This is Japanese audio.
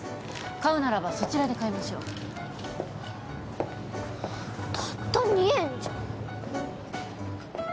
買うならばそちらで買いましょうたった２円じゃん